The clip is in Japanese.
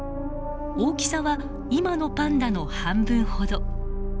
大きさは今のパンダの半分ほど。